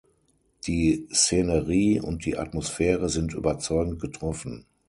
Die Szenerie und die Atmosphäre sind überzeugend getroffen.